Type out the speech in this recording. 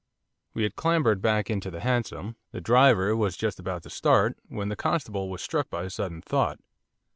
We had clambered back into the hansom, the driver was just about to start, when the constable was struck by a sudden thought.